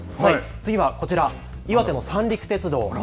次はこちら、岩手の三陸鉄道。